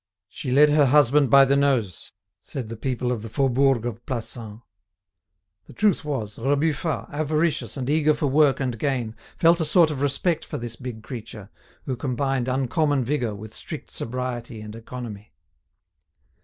She led her husband by the noise, said the people of the Faubourg of Plassans. The truth was, Rebufat, avaricious and eager for work and gain, felt a sort of respect for this big creature, who combined uncommon vigour with strict sobriety and economy.